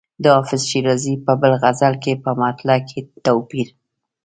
د حافظ شیرازي په بل غزل کې په مطلع کې توپیر.